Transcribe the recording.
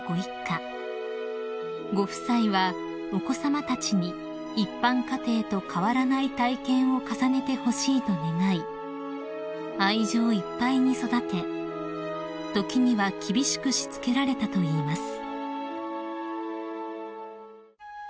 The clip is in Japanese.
［ご夫妻はお子さまたちに一般家庭と変わらない体験を重ねてほしいと願い愛情いっぱいに育て時には厳しくしつけられたといいます］